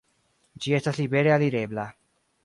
Ĝi estas libere alirebla.